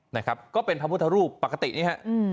นะครับก็เป็นพระพุทธรูปปกตินี่ฮะ